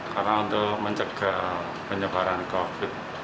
karena untuk mencegah penyebaran covid sembilan belas